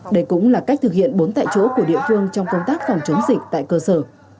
đây cũng là cách thực hiện bốn tại chỗ của địa phương trong công tác phòng chống dịch tại cơ sở